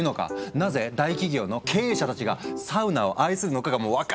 なぜ大企業の経営者たちがサウナを愛するのかが分かっちゃうっていう。